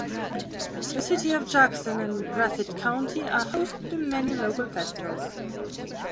The city of Jackson and Breathitt County are host to many local festivals.